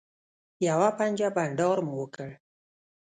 یوه پنجه بنډار مو وکړ.